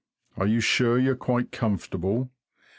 Are you sure you're quite comfortable?